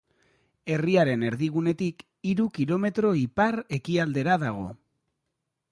Herriaren erdigunetik hiru kilometro ipar-ekialdera dago.